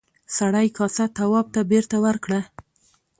سړي کاسه تواب ته بېرته ورکړه.